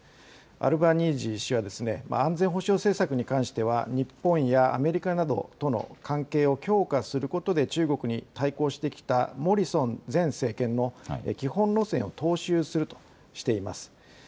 アルバニージー首相は、安全保障政策に関しては、日本やアメリカなどとの関係を強化することで中国に対抗してきたモリソン前政権の基本路線を踏襲するとしています。